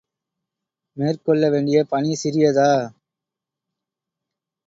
மேற்கொள்ள வேண்டிய பணி சிறியதா?